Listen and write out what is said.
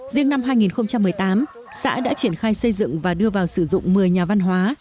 riêng năm hai nghìn một mươi tám xã đã triển khai xây dựng và đưa vào sử dụng một mươi nhà văn hóa